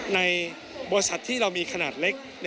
ในบริษัทที่เรามีขนาดเล็ก